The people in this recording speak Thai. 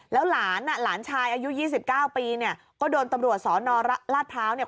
แล้วหลานอะหลานชายอายุยี่สิบเก้าปีเนี่ยก็โดนตำรวจสอนรหลาดพร้าวเนี่ย